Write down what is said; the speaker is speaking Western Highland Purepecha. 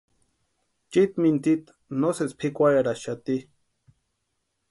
Chiiti mintsita no sési pʼikwarheraxati.